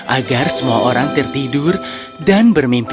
agar semua orang tertidur dan bermimpi